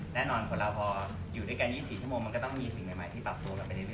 แน่นอนคนเราพออยู่ด้วยกัน๒๔ชั่วโมงมันก็ต้องมีสิ่งใหม่ที่ปรับตัวกันไปเรื่อ